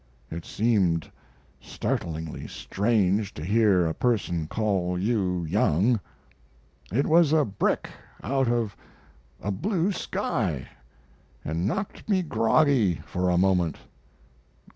It seemed startlingly strange to hear a person call you young. It was a brick out of a blue sky, & knocked me groggy for a moment.